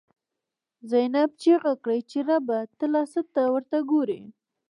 زینب ” چیغی کړی چی ربه، ته لا څه ته ورته ګوری”